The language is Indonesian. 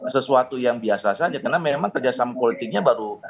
sesuatu yang biasa saja karena memang kerjasama politiknya baru